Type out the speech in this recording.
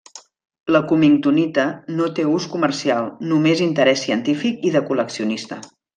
La cummingtonita no té ús comercial, només interès científic i de col·leccionista.